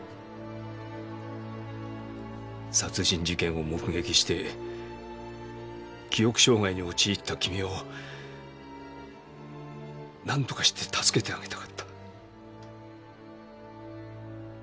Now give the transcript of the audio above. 殺人事件を目撃して記憶障害に陥った君をなんとかして助けてあげたかった。